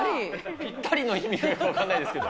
ぴったりの意味がよく分からないですけど。